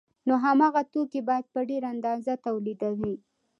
نو هماغه توکي بیا په ډېره اندازه تولیدوي